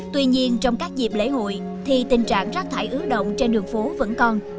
tuy nhiên trong các dịp lễ hội thì tình trạng rác thải ứ động trên đường phố vẫn còn